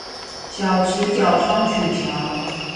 小池角雙曲橋